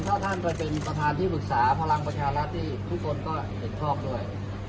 ถ้าท่านเป็นกรรทนาที่ฝึกษาพลังประชาราชน์ที่ทุกคนก็เห็นพ่องด้วย